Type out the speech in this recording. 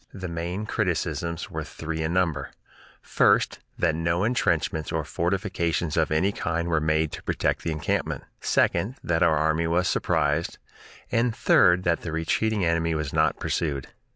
The main criticisms were three in number: first, that no intrenchments or fortifications of any kind were made to protect the encampment; second, that our army was surprised; and, third, that the retreating enemy was not pursued.